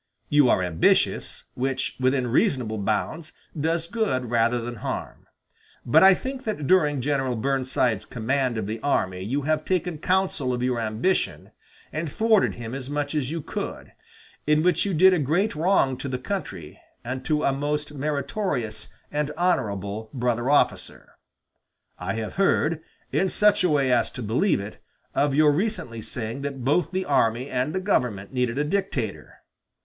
You are ambitious, which, within reasonable bounds, does good rather than harm; but I think that during General Burnside's command of the army you have taken counsel of your ambition and thwarted him as much as you could, in which you did a great wrong to the country, and to a most meritorious and honorable brother officer. I have heard, in such a way as to believe it, of your recently saying that both the army and the government needed a dictator.